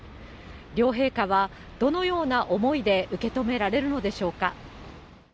両陛下はどのような思いで受け止められるのでしょうか。